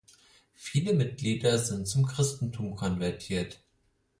Viele Mitglieder sind zum Christentum konvertiert.